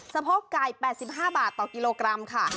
โพกไก่๘๕บาทต่อกิโลกรัมค่ะ